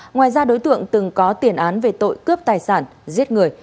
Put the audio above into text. ngoài ra đối tượng từng có tiền án về tội cướp tài sản giết người